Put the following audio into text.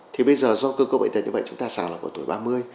thì bây giờ do cơ cơ bệnh tật như vậy chúng ta sàng lọc ở tuổi ba mươi